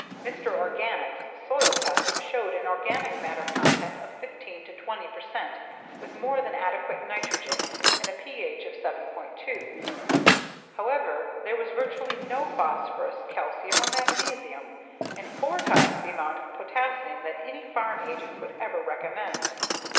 Mr. Organic's soil test showed an organic matter content of 15 to 20 percent with more than adequate nitrogen and a pH of 7.2. However there was virtually no phosphorus, calcium or magnesium and four times the amount of potassium that any farm agent would ever recommend.